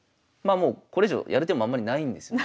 もうこれ以上やる手もあんまりないんですよね。